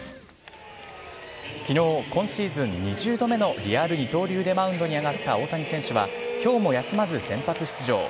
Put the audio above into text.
昨日、今シーズン２０度目のリアル二刀流でマウンドに上がった大谷選手は今日も休まず先発出場。